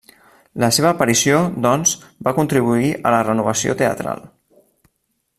La seva aparició, doncs, va contribuir a la renovació teatral.